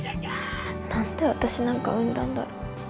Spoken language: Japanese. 何で私なんか生んだんだろう。